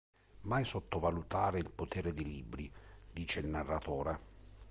Mai sottovalutare il potere dei libri, dice il narratore.